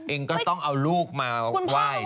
เองก็ต้องเอาลูกมาไหว้